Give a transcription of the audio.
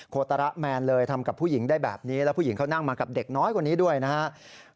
โคตระแมนเลยทำกับผู้หญิงได้แบบนี้แล้วผู้หญิงเขานั่งมากับเด็กน้อยคนนี้ด้วยนะครับ